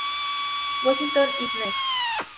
Washington Is Next!